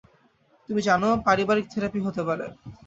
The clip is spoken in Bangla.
তুমি জান, পারিবারিক থেরাপি, হতে পারে।